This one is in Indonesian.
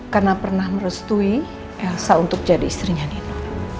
karena pernah merestui elsa untuk jadi istrinya nino